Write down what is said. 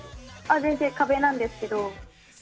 全然、壁なんですけど。